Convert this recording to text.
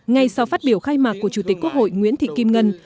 ngay sau phát biểu khai mạc của chủ tịch quốc hội nguyễn thị kim ngân